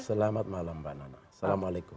selamat malam mbak nana assalamualaikum